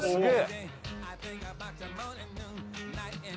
すごい！